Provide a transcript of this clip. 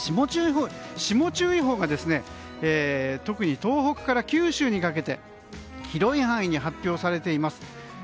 霜注意報が特に東北から九州にかけて広い範囲に発表されています。